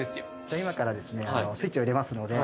今からスイッチを入れますので。